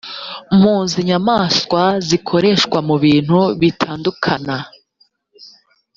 mpu z inyamaswa zikoreshwa mubintu bitandukana